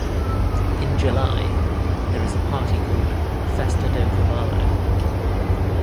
In July there is a party called "Festa do Cavalo".